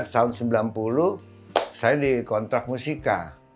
tahun sembilan puluh saya di kontrak musika